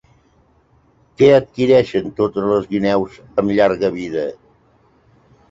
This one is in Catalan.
Què adquireixen totes les guineus amb llarga vida?